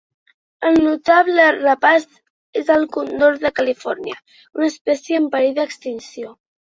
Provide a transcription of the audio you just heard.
El notable rapaç és el còndor de Califòrnia, una espècie en perill d'extinció.